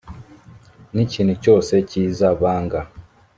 n ikintu cyose cyiza banga